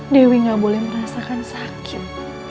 dewi gak boleh merasakan sakit